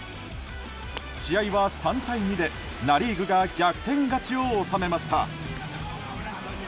試合は３対２でナ・リーグが逆転勝ちを収めました。